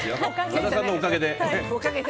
和田さんのおかげで。